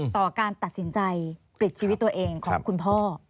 ต่อการตัดสินใจปลิดชีวิตตัวเองของคุณพ่อ